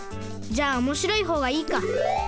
じゃあおもしろいほうがいいか。